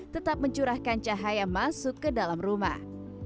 tetap mencurahkan cahaya masuk ke dalam rumah